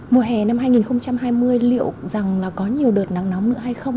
mùa hè năm hai nghìn hai mươi liệu rằng là có nhiều đợt nắng nóng nữa hay không